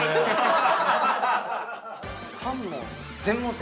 ３問。